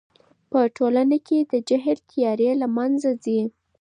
په ټولنه کې د جهل تیارې له منځه ځي.